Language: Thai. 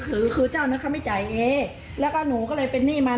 คือคือเจ้านั้นเขาไม่จ่ายเองแล้วก็หนูก็เลยเป็นหนี้มา